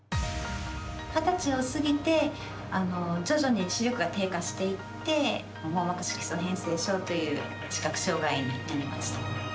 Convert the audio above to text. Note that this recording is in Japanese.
二十歳を過ぎて、徐々に視力が低下していって網膜色素変性症という視覚障がいになりました。